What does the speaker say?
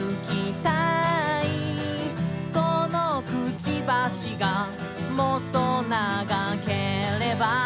「このくちばしがもっと長ければ」